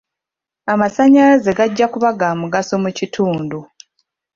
Amasannyalaze gajja kuba ga mugaso mu kitundu.